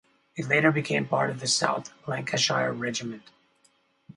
It later became part of the South Lancashire Regiment.